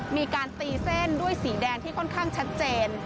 มีการตีเส้นด้วยสีแดงที่ค่อนข้างชัดเจน